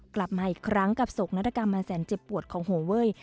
กลับมาอีกครั้งกับโศกนาฏกรรมอันแสนเจ็บปวดของหัวเว้ย